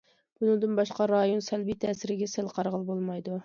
بۇنىڭدىن باشقا رايون سەلبىي تەسىرىگە سەل قارىغىلى بولمايدۇ.